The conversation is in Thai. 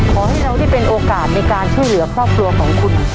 ขอให้เราได้เป็นโอกาสในการช่วยเหลือครอบครัวของคุณ